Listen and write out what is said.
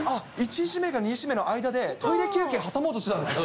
１位指名と２位指名の間で、トイレ休憩挟もうとしてたんですね。